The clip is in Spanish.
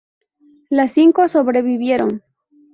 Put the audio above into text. Las cinco sobrevivieron.